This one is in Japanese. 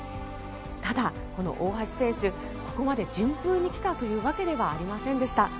ただ、この大橋選手、ここまで順風に来たというわけではありませんでした。